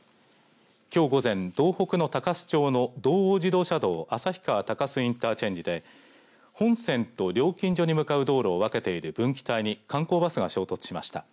きょう午前、道北の鷹栖町の道央自動車道旭川鷹栖インターチェンジで本線と料金所に向かう道路を分けている分岐帯に観光バスが衝突しました。